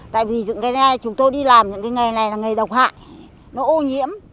tại vì chúng tôi đi làm những cái nghề này là nghề độc hại nó ô nhiễm